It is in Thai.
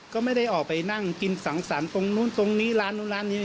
ก็ไม่ได้ออกไปนั่งกินสังสรรค์ตรงนู้นตรงนี้ร้านนู้นร้านนี้